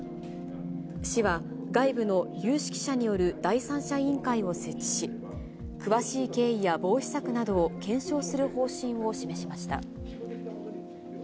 市は、外部の有識者による第三者委員会を設置し、詳しい経緯や防止策などを検証する方針を示しました。